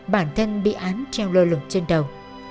bản thân bị án treo lơ lực trên đầu